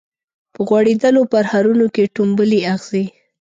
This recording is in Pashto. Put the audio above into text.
په غوړیدولو پرهرونو کي ټومبلي اغزي